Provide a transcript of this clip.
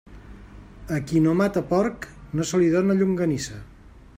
A qui no mata porc, no se li dóna llonganissa.